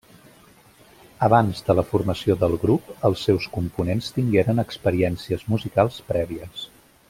Abans de la formació del grup, els seus components tingueren experiències musicals prèvies.